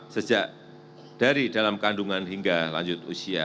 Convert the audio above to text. sejak dari dalam kandungan hingga lanjut usia